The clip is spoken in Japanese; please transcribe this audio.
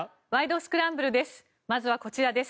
スクランブル」です。